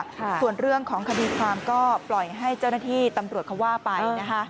ส่วนเรื่องของคดีความก็ปล่อยให้เจ้าหน้าที่ตำรวจเขาว่าไปนะคะ